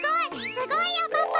すごいよパパ。